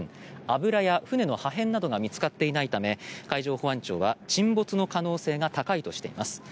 油や船の破片などが見つかっていないため海上保安庁は沈没の可能性が高いとしています。